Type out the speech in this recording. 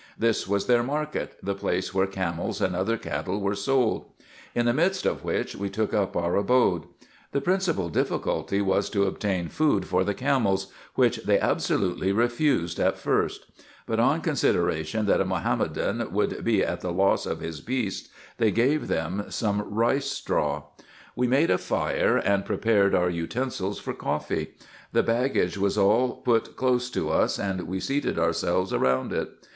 This was their market, the place where camels and other cattle were sold ; in the midst of which we took up our abode. The principal difficulty was to obtain food for the camels, which they absolutely refused at first ; but, on con sideration that a Mahomedan would be at the loss of his beasts, IN EGYPT, NUBIA, Sec. 417 they gave them some rice straw. We made a fire, and prepared our utensils for coffee. The baggage was all put close to us, and we seated ourselves round it.